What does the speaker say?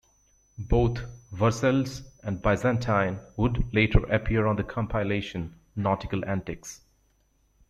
Both "Versailles" and 'Byzantine" would later appear on the compilation, "Nautical Antiques".